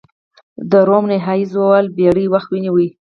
د روم نهايي زوال پېړۍ وخت ونیوه.